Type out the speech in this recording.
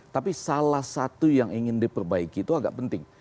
tapi salah satu yang ingin diperbaiki itu agak penting